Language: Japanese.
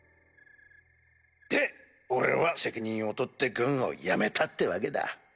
で俺は責任を取って軍を辞めたってわけだ。